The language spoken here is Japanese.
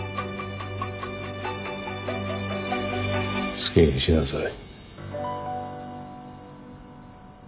好きにしなさい。